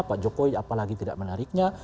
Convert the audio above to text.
pak jokowi apalagi tidak menariknya